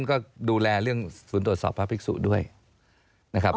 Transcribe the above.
ก็ดูแลเรื่องศูนย์ตรวจสอบพระภิกษุด้วยนะครับ